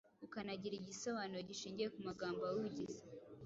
ukanagira igisobanuro gishingiye ku magambo awugize.